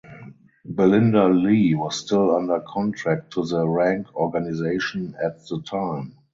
Belinda Lee was still under contract to the Rank Organisation at the time.